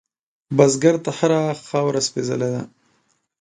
بزګر ته هره خاوره سپېڅلې ده